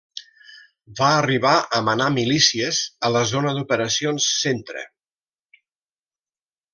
Va arribar a manar milícies a la zona d'operacions centre.